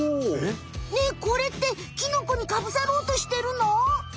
ねえこれってキノコにかぶさろうとしてるの？